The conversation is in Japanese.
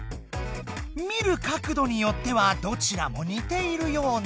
見る角どによってはどちらもにているような。